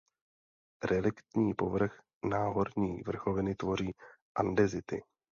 Reliktní povrch náhorní vrchoviny tvoří andezity.